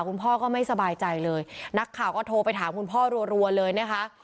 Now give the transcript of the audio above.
คุณพ่อก็ไม่สบายใจเลยนักข่าวก็โทรไปถามคุณพ่อรัวเลยนะคะ